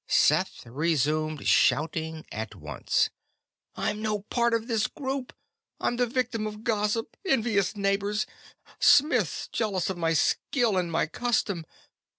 Seth resumed shouting at once. "I'm no part of this group! I'm the victim of gossip, envious neighbors, smiths jealous of my skill and my custom!